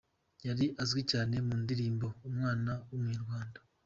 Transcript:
Yari azwi cyane mu ndirimbo ‘Umwana w’umunyarwanda’.